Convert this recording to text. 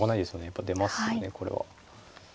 やっぱ出ますよねこれは。